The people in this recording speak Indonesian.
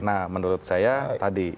nah menurut saya tadi